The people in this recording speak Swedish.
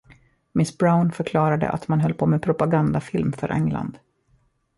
Miss Brown förklarade att man höll på med en propagandafilm för England.